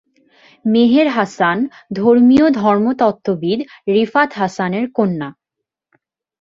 মেহের হাসান ধর্মীয় ধর্মতত্ত্ববিদ রিফাত হাসানের কন্যা।